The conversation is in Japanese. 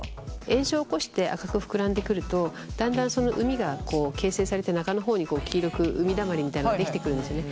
炎症を起こして赤く膨らんでくるとだんだんその膿が形成されて中の方に黄色く膿だまりみたいなのができてくるんですね。